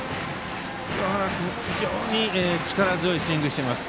清原君、非常に力強いスイングしています。